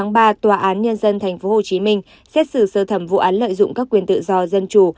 ngày ba tòa án nhân dân tp hcm xét xử sơ thẩm vụ án lợi dụng các quyền tự do dân chủ